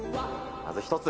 まず一つ。